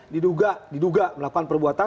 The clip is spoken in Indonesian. diduga diduga melakukan perbuatan